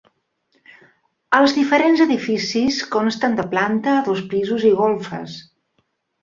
Els diferents edificis conten de planta, dos pisos i golfes.